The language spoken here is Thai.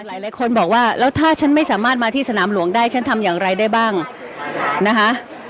หลายคนบอกว่าแล้วถ้าฉันไม่สามารถมาที่สนามหลวงได้ฉันทำอย่างไรได้บ้างนะคะ